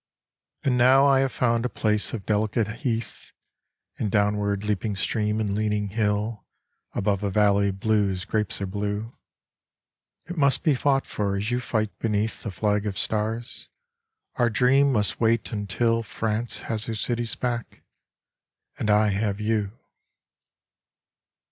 And now I have found a place of delicate heath And downward leaping stream and leaning hill Above a valley blue as grapes are blue, It must be fought for as you fight beneath The flag of stars. Our dream must wait until France has her cities back, and I have you.